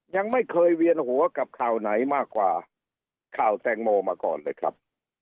ยังไม่เคยเวียนหัวกับข่าวไหนมากกว่าข่าวแตงโมมาก่อนเลยครับ